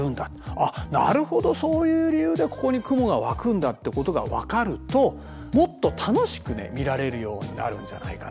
あっなるほどそういう理由でここに雲が湧くんだってことが分かるともっと楽しく見られるようになるんじゃないかな。